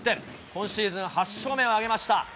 今シーズン８勝目を挙げました。